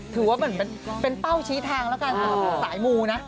ถือว่าเหมือนเป็นเป้าชี้ทางละกันสายมูนะ